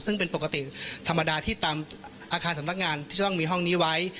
ซึ่งเป็นปกติธรรมดาที่ตามอาคารสำนักงานที่จะต้องมีห้องนี้ไว้